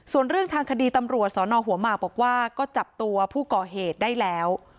ส่วนเรื่องทางคดีตำรวจสนหัวหมากบอกว่าก็จับตัวผู้ก่อเหตุได้แล้ว